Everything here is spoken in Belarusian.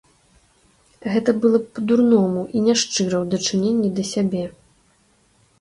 Гэта было б па-дурному і няшчыра ў дачыненні да сябе.